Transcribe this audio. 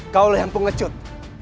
kau lehampung ngecut